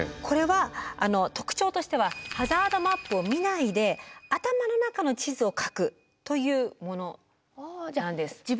これは特徴としてはハザードマップを見ないで頭の中の地図を書くというものなんです。